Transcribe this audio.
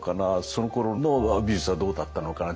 そのころの美術はどうだったのかな？